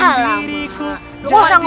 yang kita cari itu cacing